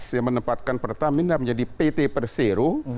yang menempatkan pertamina menjadi pt persero